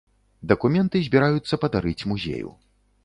Дакументы збіраюцца падарыць музею.